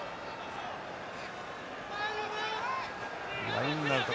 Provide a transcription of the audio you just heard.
ラインアウト